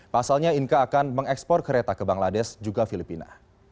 pasalnya inka akan mengekspor kereta ke bangladesh juga filipina